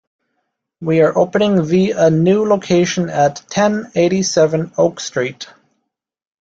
We are opening the a new location at ten eighty-seven Oak Street.